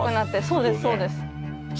そうですそうです。